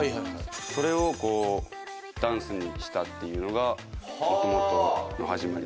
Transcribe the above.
それをダンスにしたっていうのがもともとの始まりです。